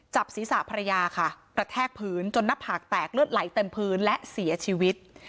จับศีรษะภรรยาค่ะกระแทกพื้นจนหน้าผากแตกเลือดไหลเต็มพื้นและเสียชีวิต